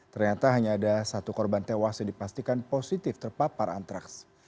ternyata hanya ada satu korban tewas yang dipastikan positif terpapar antraks